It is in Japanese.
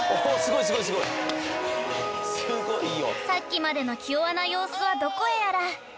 ［さっきまでの気弱な様子はどこへやら］